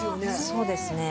そうですね。